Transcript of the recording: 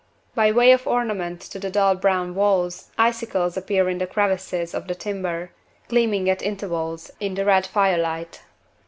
By way of ornament to the dull brown walls, icicles appear in the crevices of the timber, gleaming at intervals in the red fire light.